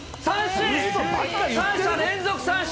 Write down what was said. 三者連続三振。